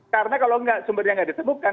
karena kalau sumbernya tidak disebutkan